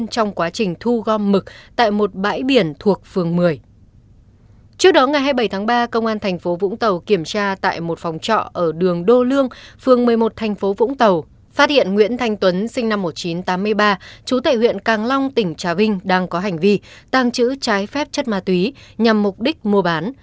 trong ngày hai mươi bảy tháng ba công an tp vũng tàu kiểm tra tại một phòng trọ ở đường đô lương phường một mươi một tp vũng tàu phát hiện nguyễn thanh tuấn sinh năm một nghìn chín trăm tám mươi ba chú tệ huyện càng long tỉnh trà vinh đang có hành vi tàng trữ trái phép chất ma túy nhằm mục đích mua bán